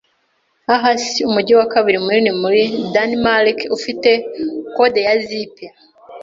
Aarhus, umujyi wa kabiri munini muri Danimarike, ufite kode ya zip .